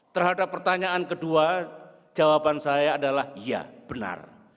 terhadap pertanyaan kedua jawaban saya adalah iya benar